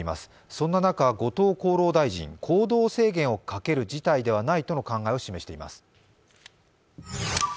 そんな中、後藤厚労大臣、行動制限をかける事態ではないとの考えを示しています。